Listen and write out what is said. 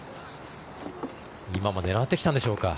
今も狙ってきたんでしょうか。